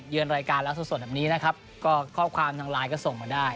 รายการแล้วสดแบบนี้นะครับก็ข้อความทางไลน์ก็ส่งมาได้